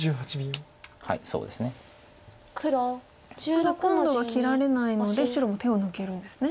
ただ今度は切られないので白も手を抜けるんですね。